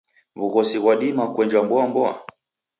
W'ughosi ghwadima kuenjwa mboamboa?